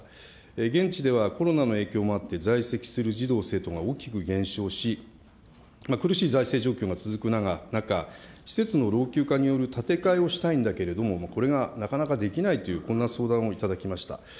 現地ではコロナの影響もあって、在籍する児童・生徒が大きく減少し、苦しい財政状況が続く中、施設の老朽化による建て替えをしたいんだけれども、これがなかなかできないというこんな相談を頂きました。